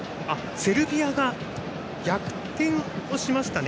セルビアが逆転しましたね。